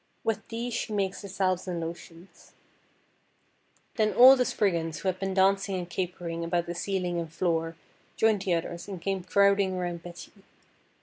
With these she makes her salves and lotions. Then all the Spriggans who had been dancing and capering about the ceiling and floor joined the others and came crowding around Betty.